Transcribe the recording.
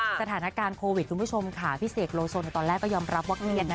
สถานการณ์โควิดคุณผู้ชมค่ะพี่เสกโลโซในตอนแรกก็ยอมรับว่าเครียดนะ